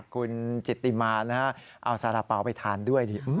คุณจิตติมานะฮะเอาสาระเป๋าไปทานด้วยดิ